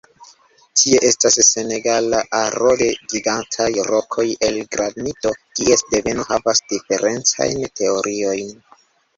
Tie estas senegala aro de gigantaj rokoj el granito kies deveno havas diferencajn teoriojn.